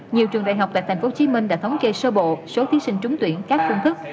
nhiều trường đại học tại tp hcm đã thống kê sơ bộ số thí sinh trúng tuyển các phương thức